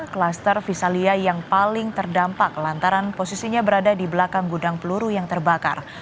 kluster visalia yang paling terdampak lantaran posisinya berada di belakang gudang peluru yang terbakar